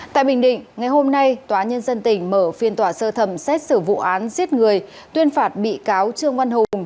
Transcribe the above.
tại bình định ngày hôm nay tòa nhân dân tỉnh mở phiên tòa sơ thẩm xét xử vụ án giết người tuyên phạt bị cáo trương văn hùng